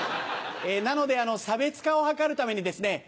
なので差別化を図るためにですね